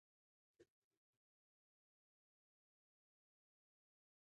இந்த மண்ணிற்குள் புதைந்து கிடக்கும் சக்திதான் எவ்வளவு ஆற்றல் வாய்ந்ததாக இருக்கிறது.